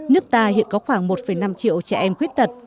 nước ta hiện có khoảng một năm triệu trẻ em khuyết tật